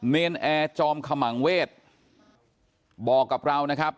เนรนแอร์จอมขมังเวศบอกกับเรานะครับ